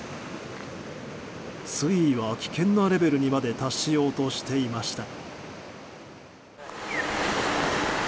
水位は危険なレベルにまで達しようとしていました。